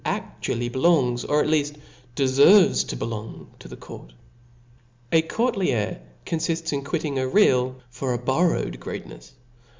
actually belongs, or ^t leaft defervcs to belor>g> to the court. A court air confifts in quitting a real for a bor row^ greatnefs.